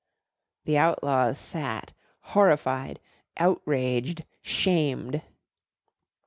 The Outlaws sat horrified, outraged, shamed.